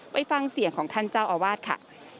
ไปฟังเสียงของท่านเจ้าอาวาสค่ะ